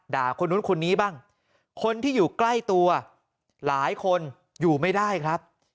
คนนู้นคนนี้บ้างคนที่อยู่ใกล้ตัวหลายคนอยู่ไม่ได้ครับ